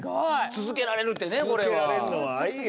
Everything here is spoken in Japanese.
続けられるってねこれは。